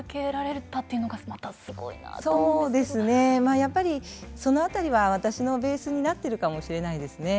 やっぱりその辺りは私のベースになってるかもしれないですね。